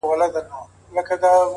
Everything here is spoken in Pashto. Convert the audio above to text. سمدستي یې لاندي ټوپ وو اچولی -